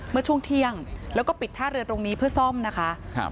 เมื่อช่วงเที่ยงแล้วก็ปิดท่าเรือตรงนี้เพื่อซ่อมนะคะ